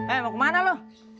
eh mau kemana lo